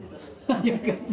よかった。